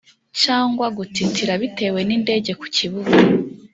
cyangwa gutitira bitewe n indege ku kibuga